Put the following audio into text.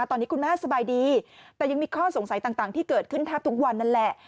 ตอนนี้คุณแม่สบายดีแต่ยังมีข้อสงสัยต่างที่เกิดขึ้นแทบทุกวันนั่นแหละ